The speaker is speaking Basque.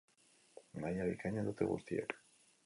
Maila bikaina dute guztiek.